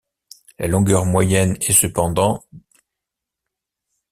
La longueur moyenne est cependant d'.